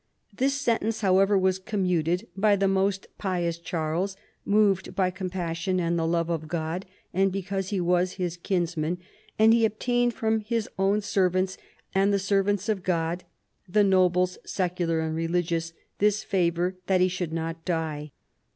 This sentence, however, was commuted by " the most pious Charles, moved by compassion and the love of God and because he was his kinsman : and he obtained from his own servants and the serv ants of God [the nobles secular and religious] this favor, that he should not die.